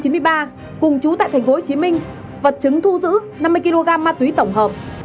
cùng trú tại tp hcm vật chứng thu giữ năm mươi kg ma túy tổng hợp